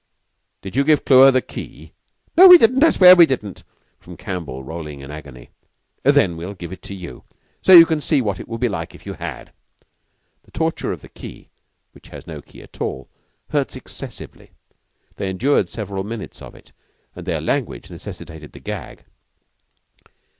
"Did you give Clewer the Key?" "No; we didn't. I swear we didn't!" from Campbell, rolling in agony. "Then we'll give it to you, so you can see what it would be like if you had." The torture of the Key which has no key at all hurts excessively. They endured several minutes of it, and their language necessitated the gag.